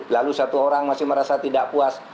lalu satu orang masih merasa tidak puas